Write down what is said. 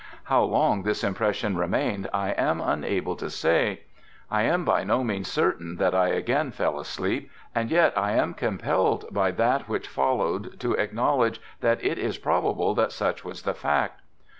How long this impression remained I am unable to say. I am by no means certain that I again fell asleep, and yet I am compelled by that which followed to acknowledge that it is probable that such was the fact.